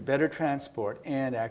berada di posisi yang